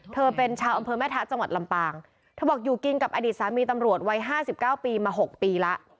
เธอเป็นชาวอำเภอแม่ทะจังหวัดลำปางเธอบอกอยู่กินกับอดีตสามีตำรวจวัย๕๙ปีมา๖ปีแล้ว